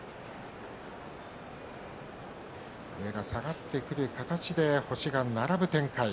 上が下がってくる形で星が並ぶ展開。